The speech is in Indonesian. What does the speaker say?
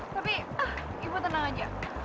tapi ibu tenang aja